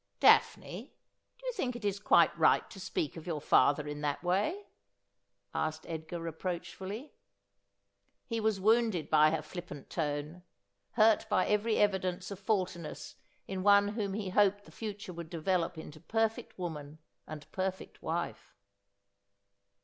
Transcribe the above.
' Daphne, do you think it is quite right to speak of your father in that way ?' asked Edgar reproachfully. He was wounded by her flippant tone, hurt by every evidence of faultiness in one whom he hoped the future would develop into perfect woman and perfect wife.